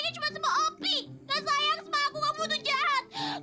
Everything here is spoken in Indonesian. gak sayang sama aku kamu tuh jahat